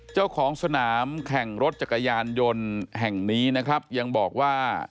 เจ้าของสนามแข่งรถจักรยานยนต์แห่งนี้นะครับยังบอกว่า